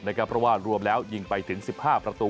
เพราะว่ารวมแล้วยิงไปถึง๑๕ประตู